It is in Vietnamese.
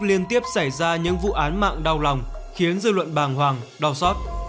liên tiếp xảy ra những vụ án mạng đau lòng khiến dư luận bàng hoàng đau xót